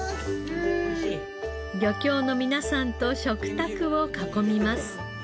漁協の皆さんと食卓を囲みます。